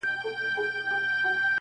• خریدار چي سوم د اوښکو دُر دانه سوم..